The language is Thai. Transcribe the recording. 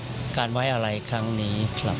ในวาระการไว้อาลัยครั้งนี้ครับ